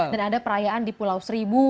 dan ada perayaan di pulau seribu